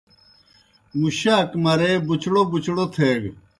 مُشاک مرے بُچڑوْ بُچڑوْ تھیگہ۔